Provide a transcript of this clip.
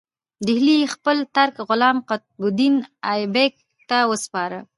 ډهلی یې خپل ترک غلام قطب الدین ایبک ته وسپاره.